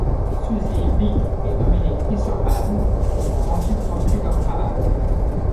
Susie Bick et Dominique Issermann ont ensuite repris leur travail.